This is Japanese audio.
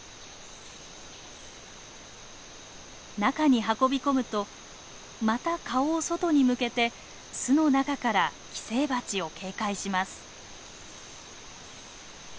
中に運び込むとまた顔を外に向けて巣の中から寄生バチを警戒します。